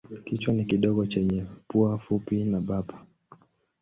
Kichwa ni kidogo chenye pua fupi na bapa.